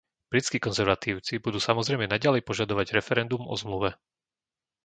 Britskí konzervatívci budú samozrejme naďalej požadovať referendum o Zmluve.